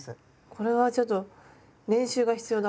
これはちょっと練習が必要だ